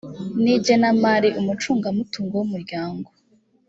n igenamari umucungamutungo w umuryango